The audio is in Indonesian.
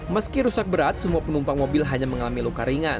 meski rusak berat semua penumpang mobil hanya mengalami luka ringan